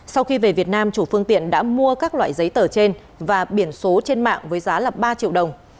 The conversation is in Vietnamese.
sau khi về việt nam chủ phương tiện đã mua các loại giấy tờ trên và biển số trên mạng với giá ba triệu đồng